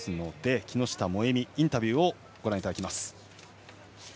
木下萌実のインタビューをご覧いただきます。